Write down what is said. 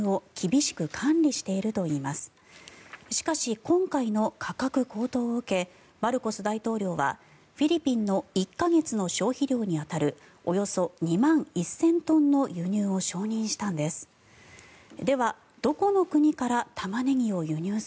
しかし、今回の価格高騰を受けマルコス大統領はフィリピンの１か月の消費量に当たるおよそ２万１０００トンの輸入を承認したんです。